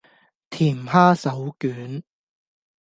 甜蝦手卷